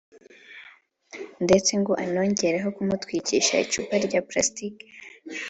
ndetse ngo anongeraho kumutwikisha icupa rya plastique